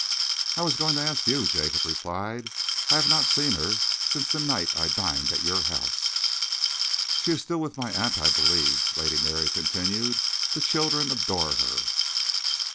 "I was going to ask you," Jacob replied. "I have not seen her since the night I dined at your house." "She is still with my aunt, I believe," Lady Mary continued. "The children adore her."